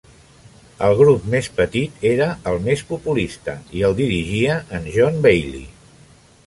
El grup més petit era el més populista i el dirigia en John Bailey.